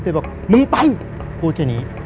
แล้วก็มึงไปพูดแค่นี้